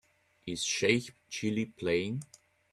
Is Sheikh Chilli playing